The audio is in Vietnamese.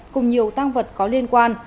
cùng nhiều tăng vật có liên quan